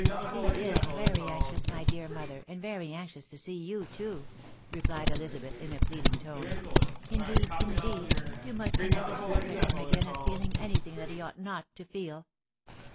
'.' He is very anxious, my dear mother, and very anxious to see you too," replied Elizabeth, in a pleading tone. " Indeed, indeed, you must never suspect him again of feeling anything that he ought not to feel."